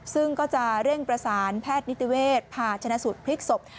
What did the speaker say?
ซึ่งก็จะเร่งประสานแพทย์นิติเวศผ่าชนะสูตรพลิกศพ